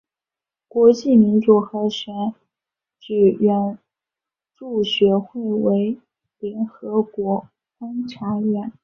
国际民主和选举援助学会为联合国观察员。